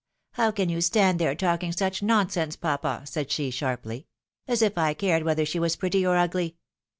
" How can you stand there talking such non sense, papa," said she, sharply, " as if I cared whether she was pretty or ugly